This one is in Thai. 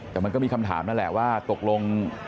แต่มันก็มีคำถามนั่นแหละว่าตกลง